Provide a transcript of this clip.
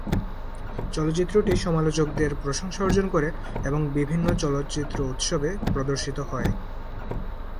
চলচ্চিত্রটি সমালোচকদের প্রশংসা অর্জন করে এবং বিভিন্ন চলচ্চিত্র উৎসবে প্রদর্শিত হয়।